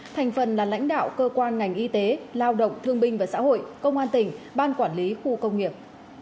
thành phần là lãnh đạo cơ quan ngành y tế lao động thương binh và xã hội công an tỉnh ban quản lý khu công nghiệp